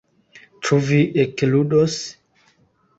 Ĉu vi ekludos?